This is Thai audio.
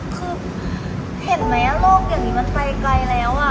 คือเห็นไหมโลกอย่างนี้มันไปไกลแล้ว